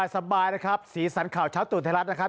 สบายนะครับสีสันข่าวเช้าตู่ไทยรัฐนะครับ